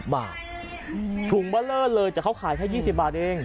๒๐บาทถุงเบลือเลยแต่เขาขายแค่๒๐บาทเอง